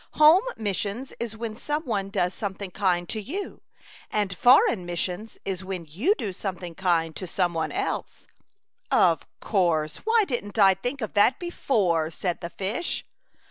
" Home missions is when some one does something kind to you, and foreign missions is when you do something kind to some one else." "Of course; why didn't I think of that before?" said the fish.